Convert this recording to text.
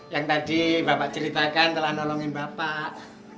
yang tadi bapak ceritakan telah nolongin bapak